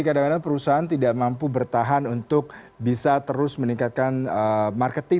kadang kadang perusahaan tidak mampu bertahan untuk bisa terus meningkatkan marketing